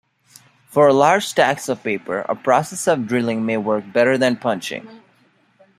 For large stacks of paper, a process of drilling may work better than punching.